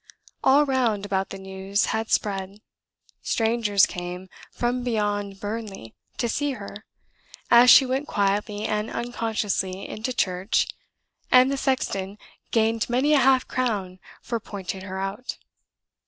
All round about the news had spread; strangers came "from beyond Burnley" to see her, as she went quietly and unconsciously into church and the sexton "gained many a half crown" for pointing her out.